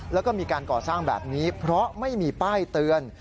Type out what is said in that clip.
แล้วก็มีการก่อสร้างแบบนี้เพราะไม่มีป้ายเตือน